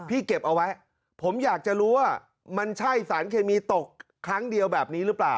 เก็บเอาไว้ผมอยากจะรู้ว่ามันใช่สารเคมีตกครั้งเดียวแบบนี้หรือเปล่า